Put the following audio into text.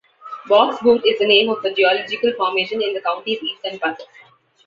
Box Butte is the name of a geological formation in the county's eastern part.